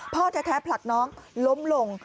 พ่อแท้ผลักน้องล้มลง